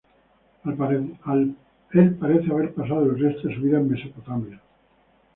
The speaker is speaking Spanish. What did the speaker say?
Él parece haber pasado el resto de su vida en Mesopotamia.